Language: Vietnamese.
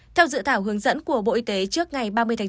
theo dự thảo hướng dẫn của bộ y tế trước ngày ba mươi tháng bốn